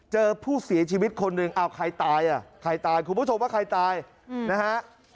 เจอผู้เสียชีวิตคนหนึ่งเอาใครตายอ่ะใครตายคุณผู้ชมว่าใครตายนะฮะ